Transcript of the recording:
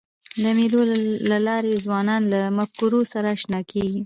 د مېلو له لاري ځوانان له مفکورو سره اشنا کېږي.